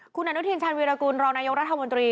คุณอนุทิริชันวิรากุลรองนายองรัฐมนตรี